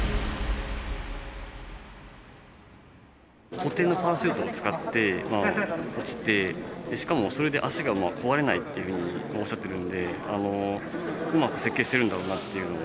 固定のパラシュートを使って落ちてしかもそれで足が壊れないっていうふうにおっしゃってるんでうまく設計してるんだろうなっていうのを。